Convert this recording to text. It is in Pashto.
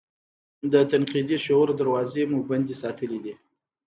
د تنقیدي شعور دراوزې مو بندې ساتلي دي.